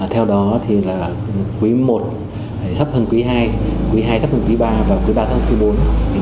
theo đó thì là quý i thấp hơn quý ii quý ii thấp hơn quý iii và quý iii thấp hơn quý iv